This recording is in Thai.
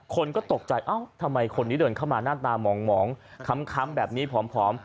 คนก็ตกใจเอ้าทำไมคนนี้เดินเข้ามาหน้าตาหมองค้ำแบบนี้ผอม